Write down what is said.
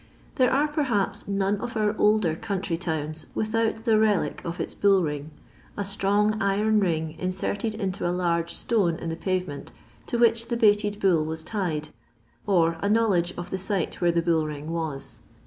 There are, perhaps, none of our older country towns without the relic of its bull ring — a strong iron ring in serted into a large stone in the pavement, to which the baited bull was tied ; or a knowledge of the site where the bull ring was.